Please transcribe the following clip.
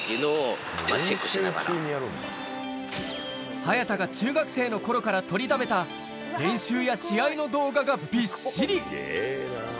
早田が中学生の頃から撮りだめた練習や試合の動画がびっしり。